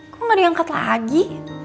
kok gak diangkat lagi